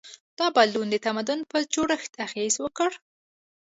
دا بدلون د تمدن په جوړښت اغېز وکړ.